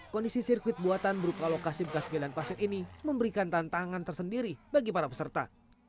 kondisi sirkuit buatan berupa lokasi bekas gelan pasir ini memberikan tantangan tersendiri bagi para peserta